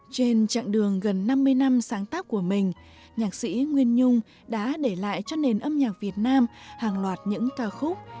trên chặng đường gần năm mươi năm sáng tác của mình nhạc sĩ nguyên nhung đã để lại cho nền âm nhạc việt nam hàng loạt những ca khúc